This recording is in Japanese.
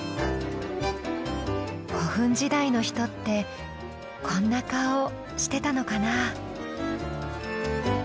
古墳時代の人ってこんな顔してたのかな。